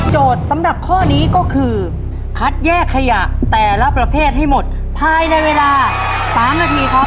สำหรับข้อนี้ก็คือคัดแยกขยะแต่ละประเภทให้หมดภายในเวลา๓นาทีครับ